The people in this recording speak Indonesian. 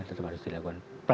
tetap harus dilakukan